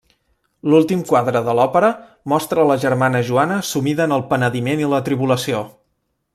L'últim quadre de l'òpera mostra la germana Joana sumida en el penediment i la tribulació.